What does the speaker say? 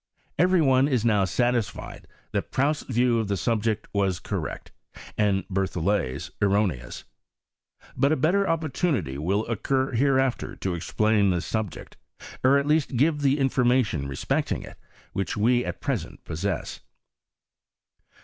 Every one is now satisfied lliat Proust's view of the subject was correct, and Berthollet's erroneous. But a better opportunity will occur hereafter to explain this subject, or at least to give the information respecting it which we at present possess.